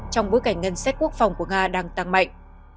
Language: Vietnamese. trong bối cảnh ngân sách quốc phòng của nga đang tăng mạnh